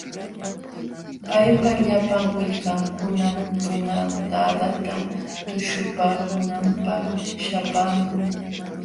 Paypa llapan willkankunam tunantadata tuśhupaakunanpaq śhapaamun.